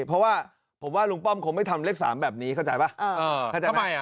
เพราะว่าผมว่าลุงป้อมคงไม่ทำเลข๓แบบนี้เข้าใจป่ะเข้าใจไหม